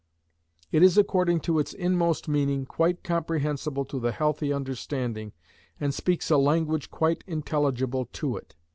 It is according to its inmost meaning quite comprehensible to the healthy understanding, and speaks a language quite intelligible to it.